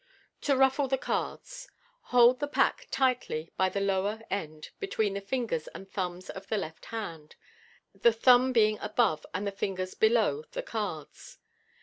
To " Ruffle " the Cards. Hold the pack tightly by its lower end between the fingers and thumb of the left hand, the thumb 2 8 MODERN MA GIC being above and the fingers below the cards.